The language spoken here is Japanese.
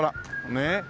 ねえ。